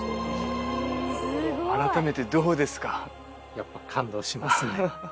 やっぱ感動しますね